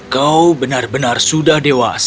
kau benar benar sudah dewasa